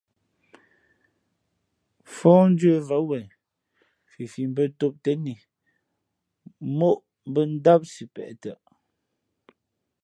Fōh njə̄ vǎm wen fifi bᾱ tōm těn i móʼ bᾱ ndám sipeʼ tα.